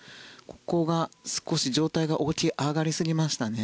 ここが少し上体が起き上がりすぎましたね。